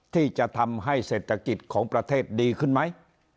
ที่จะทำให้เศรษฐกิจของประเทศดีขึ้นไหม